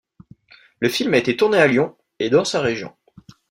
Le film a été tourné à Lyon et dans sa région.